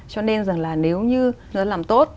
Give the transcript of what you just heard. cho nên rằng là nếu như nó làm tốt